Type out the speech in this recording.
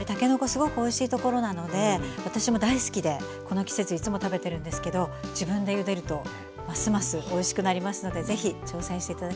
すごくおいしい所なので私も大好きでこの季節いつも食べてるんですけど自分でゆでるとますますおいしくなりますのでぜひ挑戦して頂きたいと思います。